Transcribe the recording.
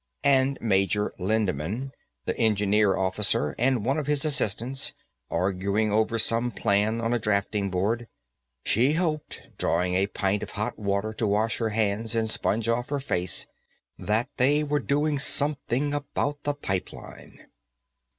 And Major Lindemann, the engineer officer, and one of his assistants, arguing over some plans on a drafting board. She hoped, drawing a pint of hot water to wash her hands and sponge off her face, that they were doing something about the pipeline.